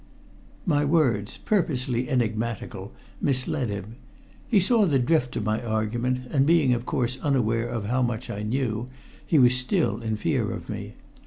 My words, purposely enigmatical, misled him. He saw the drift of my argument, and being of course unaware of how much I knew, he was still in fear of me.